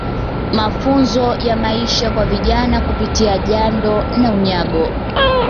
Mafunzo ya Maisha kwa Vijana Kupitia Jando na Unyago